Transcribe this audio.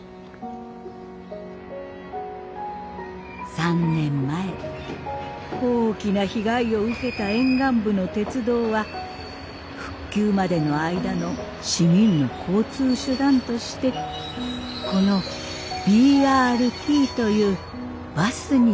３年前大きな被害を受けた沿岸部の鉄道は復旧までの間の市民の交通手段としてこのＢＲＴというバスによる代替運行を開始しました。